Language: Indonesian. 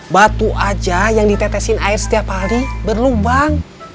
batu aja yang ditetesin air setiap hari berlubang